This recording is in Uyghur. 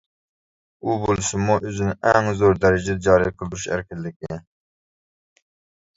ئۇ بولسىمۇ ئۆزىنى ئەڭ زور دەرىجىدە جارى قىلدۇرۇش ئەركىنلىكى.